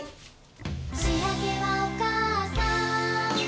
「しあげはおかあさん」